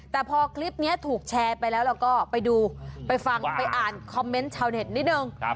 แต่พอคลิปนี้ถูกแชร์ไปแล้วเราก็ไปดูไปฟังไปอ่านคอมเมนต์ชาวเน็ตนิดนึง